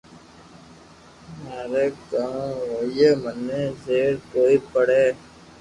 مارو ڪاو ھوئي مني زبر ڪوئي پڙو